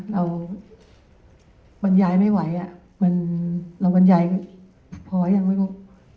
เราบรรยายไม่ไหวเราบรรยายพอยังไม่รู้